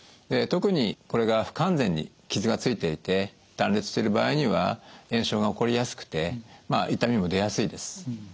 特にこれが不完全に傷がついていて断裂してる場合には炎症が起こりやすくて痛みも出やすいです。